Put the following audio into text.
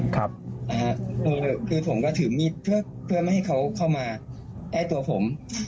คือผมก็ถือมีดเพื่อไม่ให้เขาเข้ามาใกล้ตัวผม